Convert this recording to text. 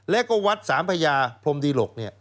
แล้วก็วัดสามพญาพรมดีหลก